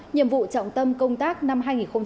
nhiệm vụ trọng tâm công tác năm hai nghìn một mươi chín